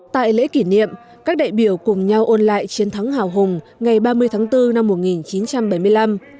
tại lễ kỷ niệm các đại biểu cùng nhau ôn lại chiến thắng hào hùng ngày ba mươi tháng bốn năm một nghìn chín trăm bảy mươi năm